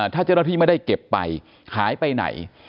ถ้าเจ้าหน้าที่ไม่ได้เก็บไปหายไปไหน